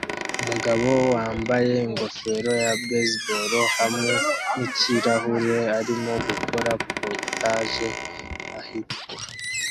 Umugabo wambaye ingofero ya baseball hamwe nikirahure arimo gukora POTAGE ahitwa